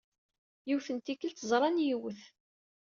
Yiwet n tikkelt, ẓran yiwet.